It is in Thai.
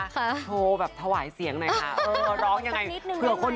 คะโทรแบบถวายเสียงหน่อยคะเออร้องยังไงนิดหนึ่งแม่ง